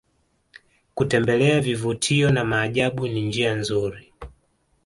kutembelea vivutio na maajabu ni njia nzuri